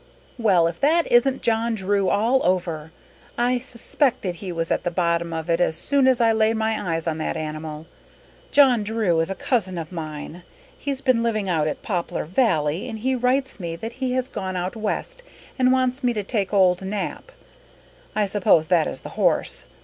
"Well, if that isn't John Drew all over! I suspected he was at the bottom of it as soon as I laid my eyes on that animal. John Drew is a cousin of mine. He's been living out at Poplar Valley and he writes me that he has gone out west, and wants me to take 'old Nap.' I suppose that is the horse.